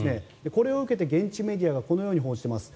これを受けて現地メディアがこのように報じています。